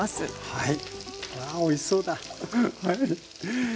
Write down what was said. はい。